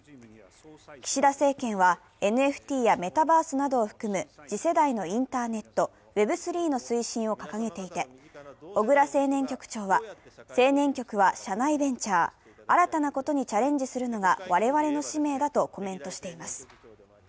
岸田政権はＮＦＴやメタバースなどを含む次世代のインターネットウェブ３．０の推進を掲げていて小倉青年局長は青年局は社内ベンチャー、新たなことにチャレンジするのが我々の使命だとコメントしています。